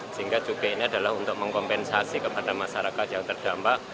sehingga cukai ini adalah untuk mengkompensasi kepada masyarakat yang terdampak